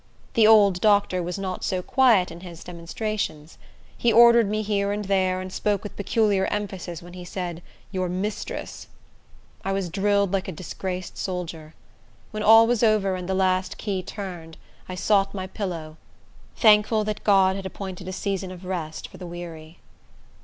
The old doctor was not so quiet in his demonstrations. He ordered me here and there, and spoke with peculiar emphasis when he said "your mistress." I was drilled like a disgraced soldier. When all was over, and the last key turned, I sought my pillow, thankful that God had appointed a season of rest for the weary.